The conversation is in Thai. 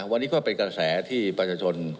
วันนี้ก็เป็นกระแสที่ประชาชน